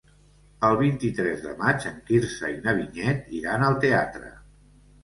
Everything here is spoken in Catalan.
El vint-i-tres de maig en Quirze i na Vinyet iran al teatre.